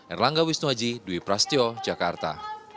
erlangga wisnuaji dwi prasetyo jakarta